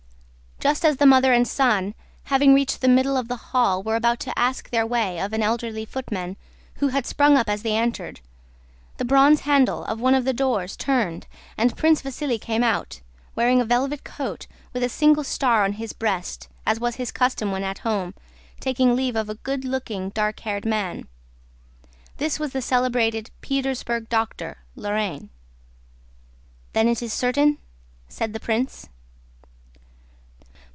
Just as the mother and son, having reached the middle of the hall, were about to ask their way of an elderly footman who had sprung up as they entered, the bronze handle of one of the doors turned and Prince Vasíli came out—wearing a velvet coat with a single star on his breast, as was his custom when at home—taking leave of a good looking, dark haired man. This was the celebrated Petersburg doctor, Lorrain. "Then it is certain?" said the prince.